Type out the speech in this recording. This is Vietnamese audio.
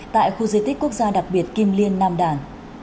tại khu di tích quốc gia đặc biệt kim liên nam đảng